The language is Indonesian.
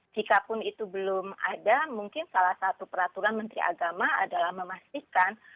jikapun itu belum ada mungkin salah satu peraturan menteri agama adalah memastikan